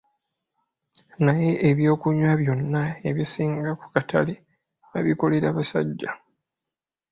Naye ebyokunywa byonna ebisinga ku katale babikolera basajja?